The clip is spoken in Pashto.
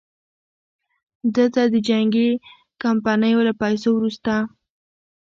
ده ته د جنګي کمپنیو له پیسو وروسته.